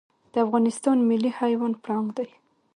د افغانستان ملي حیوان پړانګ دی